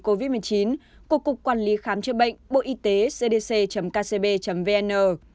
covid một mươi chín của cục quản lý khám chữa bệnh bộ y tế cdc kcb vn